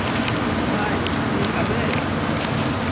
ভাই, তুমি খাবে?